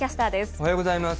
おはようございます。